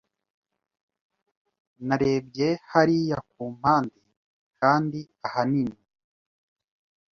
Narebye hariya ku mpande kandi ahanini